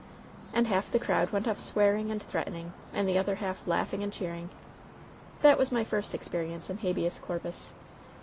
"And half the crowd went off swearing and threaten ing, and the other half laughing and cheering. That was my first experience in habeas corpus.